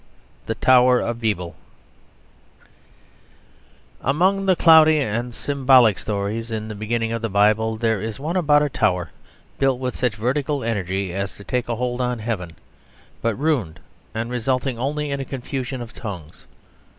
THE TOWER OF BEBEL Among the cloudy and symbolic stories in the beginning of the Bible there is one about a tower built with such vertical energy as to take a hold on heaven, but ruined and resulting only in a confusion of tongues.